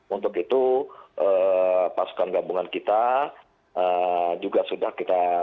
untuk itu pasukan gabungan kita juga sudah kita